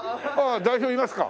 代表いますか？